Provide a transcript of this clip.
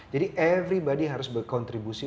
jadi everybody harus berkontribusi